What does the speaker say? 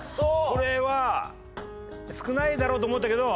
これは少ないだろうと思ったけど。